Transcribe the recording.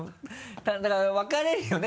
だから分かれるよね